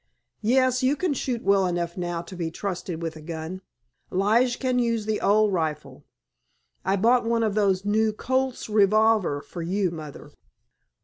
"Yes, you can shoot well enough now to be trusted with a gun. Lige can use the old rifle. I bought one of those new Colt's revolvers for you, Mother."